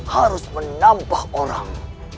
harus menampah orang